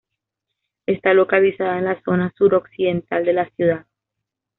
Está localizada en la zona suroccidental de la ciudad.